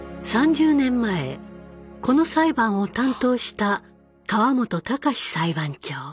３０年前この裁判を担当した川本隆裁判長。